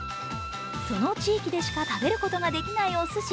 その地域でしか食べることができないおすし。